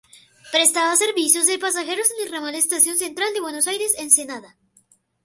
Prestaba servicios de pasajeros en el ramal Estación Central de Buenos Aires-Ensenada.